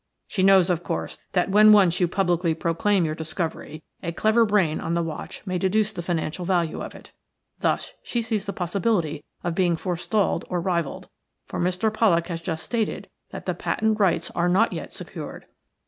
She knows, of course, that when once you publicly proclaim your discovery a clever brain on the watch may deduce the financial value of it. Thus she sees the possibility of being forestalled or rivalled, for Mr. Pollak has just stated that the patent rights are not yet secured.